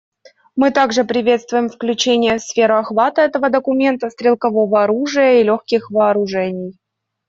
Мы также приветствуем включение в сферу охвата этого документа стрелкового оружия и легких вооружений.